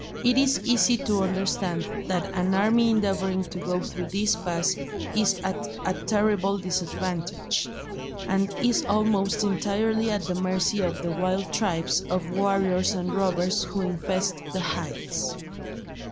It is easy to understand that an army endeavouring to go through this pass is at a terrible disadvantage, and is almost entirely at the mercy of the wild tribes of warriors and robbers who infest the heights.